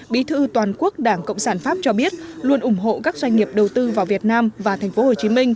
bí thư toàn quốc đảng cộng sản pháp cho biết luôn ủng hộ các doanh nghiệp đầu tư vào việt nam và tp hcm